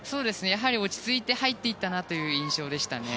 落ち着いて入っていったなという印象でしたね。